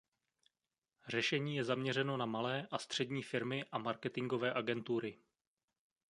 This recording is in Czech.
Řešení je zaměřeno na malé a střední firmy a marketingové agentury.